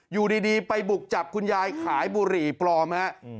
อยู่ดีไปบุกจับคุณยายขายบุหรี่ปลอมฮะ